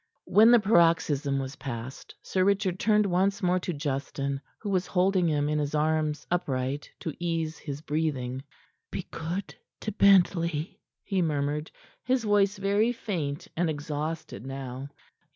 When the paroxysm was past, Sir Richard turned once more to Justin, who was holding him in his arms, upright, to ease his breathing. "Be good to Bentley," he murmured, his voice very faint and exhausted now.